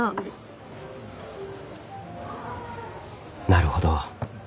なるほど。